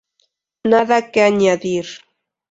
Nada que añadir"".